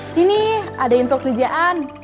sini ada info kerjaan